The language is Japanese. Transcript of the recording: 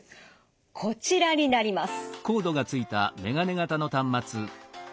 こちらになります。